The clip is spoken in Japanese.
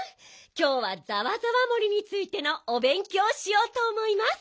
きょうはざわざわ森についてのおべんきょうしようとおもいます。